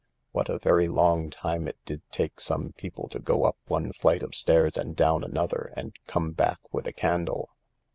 What a very long time it did take some people to go up one flight of stairs and down another and come back with a candle